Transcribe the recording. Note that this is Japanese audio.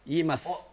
おっ